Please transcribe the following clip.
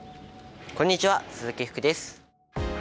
こんにちは鈴木福です。